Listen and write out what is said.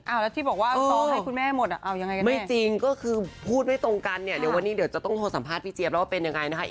แล้วที่บอกว่าต่อให้คุณแม่หมดอ่ะเอายังไงกันไม่จริงก็คือพูดไม่ตรงกันเนี่ยเดี๋ยววันนี้เดี๋ยวจะต้องโทรสัมภาษณ์พี่เจี๊ยบแล้วว่าเป็นยังไงนะคะ